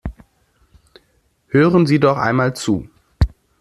Hören Sie doch einmal zu!